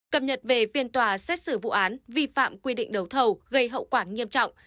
cập nhật về phiên tòa xét xử vụ án vi phạm quy định đấu thầu gây hậu quả nghiêm trọng